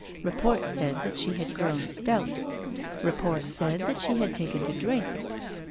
Report said that she had grown stout. Report said that she had taken to drink.